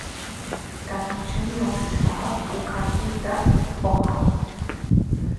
დანარჩენი ორი ტბაა პუკაკი და ოჰაუ.